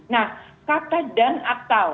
nah kata dan atau